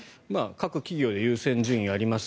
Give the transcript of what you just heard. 各企業で優先順位があります。